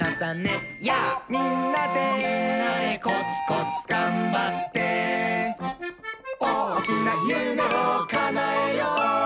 みんなでーみんなでーコツコツがんばっておおきなゆめをかなえよう！